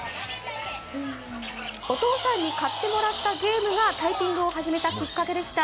お父さんに買ってもらったゲームがタイピングを始めたきっかけでした。